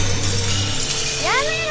やめろ！